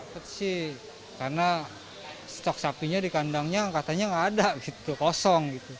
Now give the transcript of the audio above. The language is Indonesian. pet sih karena stok sapinya di kandangnya katanya nggak ada gitu kosong gitu